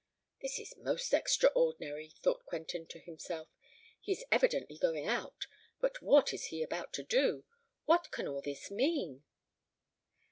"This is most extraordinary!" thought Quentin to himself. "He is evidently going out. But what is he about to do? what can all this mean?"